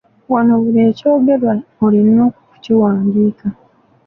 Wano buli ekyogerwa olina okukiwandiika.